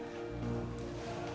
terus yang ketiga